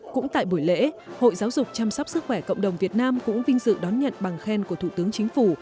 cũng tại buổi lễ hội giáo dục chăm sóc sức khỏe cộng đồng việt nam cũng vinh dự đón nhận bằng khen của thủ tướng chính phủ